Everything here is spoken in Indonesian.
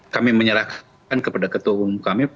kami menyerahkan kepada ketua umum kami